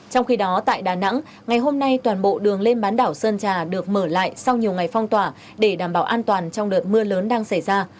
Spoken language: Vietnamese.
trong khi đó tại đà nẵng ngày hôm nay toàn bộ đường lên bán đảo sơn trà được mở lại sau nhiều ngày phong tỏa để đảm bảo an toàn trong đợt mưa lớn đang xảy ra